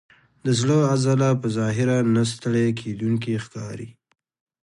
د زړه عضله په ظاهره نه ستړی کېدونکې ښکاري.